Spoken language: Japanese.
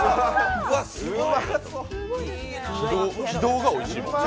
軌道がおいしいもん。